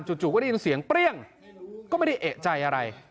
จู่ก็ได้ยินเสียงเปรี้ยงก็ไม่ได้เอกใจอะไร